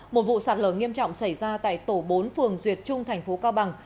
một vụ sạt lở nghiêm trọng xảy ra tại tổ bốn phường duyệt trung thành phố cao bằng